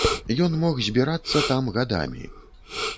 Ён мог збірацца там гадамі.